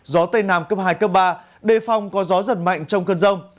gió tây nam cấp hai cấp ba đề phong có gió giật mạnh trong cơn rông